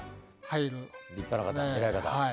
立派な方偉い方。